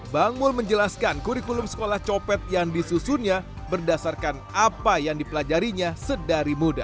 bang mul menjelaskan kurikulum sekolah copet yang disusunnya berdasarkan apa yang dipelajarinya sedari muda